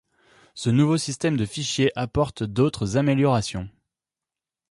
Ce nouveau système de fichiers apporte d'autres améliorations.